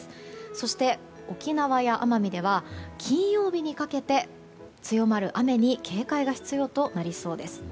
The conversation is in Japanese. そして、沖縄や奄美では金曜日にかけて強まる雨に警戒が必要となりそうです。